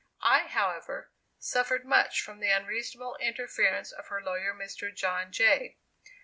I, however, suffered much from the unreasonable interference of her lawyer, Mr. John Jay.